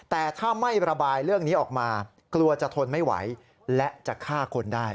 แต่ถ้าไม่ระบายเรื่องนี้ออกมากลัวจะทนไม่ไหวและจะฆ่าคนได้